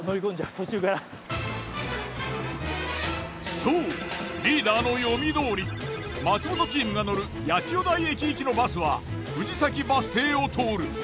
そうリーダーの読みどおり松本チームが乗る八千代台駅行きのバスは藤崎バス停を通る。